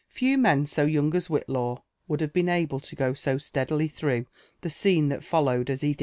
Few men so young as Whitlaw would have been aUe to go so «lea4ily throngh the scene that foHowed as he